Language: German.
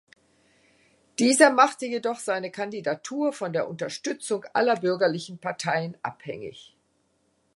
Dieser machte jedoch seine Kandidatur von der Unterstützung aller bürgerlichen Parteien abhängig.